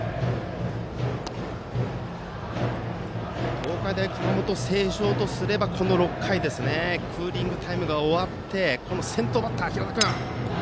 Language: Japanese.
東海大熊本星翔とすればこの６回、クーリングタイムが終わってこの先頭バッター、平太君。